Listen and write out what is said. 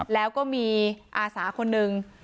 แล้วก็มีอาสาคนนึง